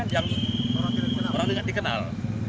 yang orang tidak dikenal